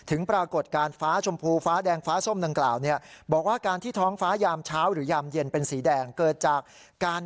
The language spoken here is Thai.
เราก็เอาข้อมูลมาให้คุณผู้ชมท่านได้ทราบกัน